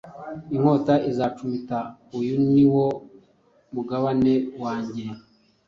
Inkota izacumita uyu niwo mugabane wanjye